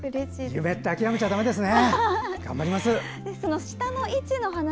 夢って諦めちゃだめですね。